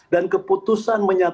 dan keputusan menyatukan